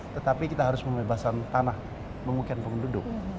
tetapi kita harus membebaskan tanah memungkinkan penduduk